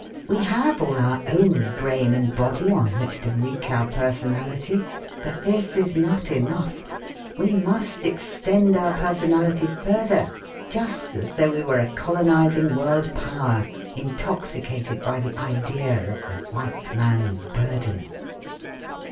We have all our own brain and body on which to wreak our personality, but this is not enough; we must extend our personality further, just as though we were a colonising world power intoxicated by the idea of the 'white man's burden.'